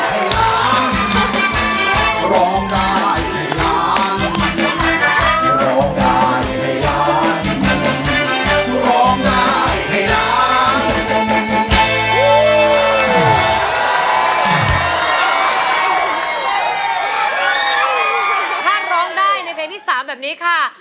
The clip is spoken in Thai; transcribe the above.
ถ้าร้องได้ในเพลงที่๓แบบนี้ค่ะ